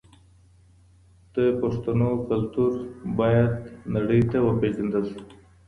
د پښتنو کلتور باید نړۍ ته وپېژندل سي.